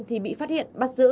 thì bị phát hiện bắt giữ